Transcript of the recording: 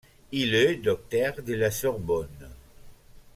Il est docteur de la Sorbonne.